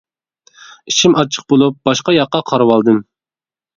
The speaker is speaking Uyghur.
ئىچىم ئاچچىق بولۇپ باشقا ياققا قارىۋالدىم.